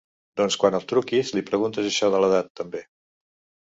Doncs quan el truquis li preguntes això de l'edat, també.